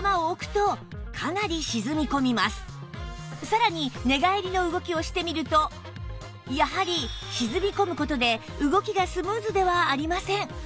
さらに寝返りの動きをしてみるとやはり沈み込む事で動きがスムーズではありません